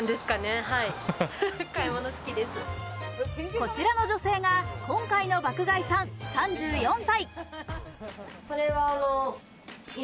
こちらの女性が今回の爆買いさん、３４歳。